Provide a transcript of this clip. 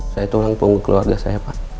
saya tulang punggung keluarga saya pak